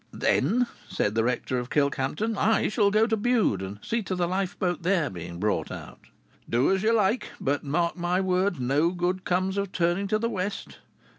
"Then," said the rector of Kilkhampton, "I shall go to Bude, and see to the lifeboat there being brought out." "Do as you like; but mark my words, no good comes of turning to the west.